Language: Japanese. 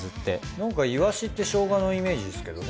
なんかイワシってしょうがのイメージですけどね。